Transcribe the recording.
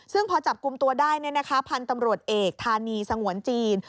ซึ่งพอจับกลุ่มตัวได้พันธุ์ตำรวจเอกธานีสงวนจีน